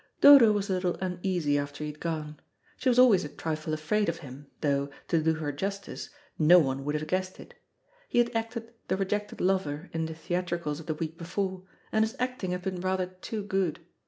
Dodo was a little uneasy after he had gone. She was always a trifle afraid of him, though, to do her justice, no one would have guessed it. He had acted the rejected lover in the theatricals of the week before, and his acting had been rather too good.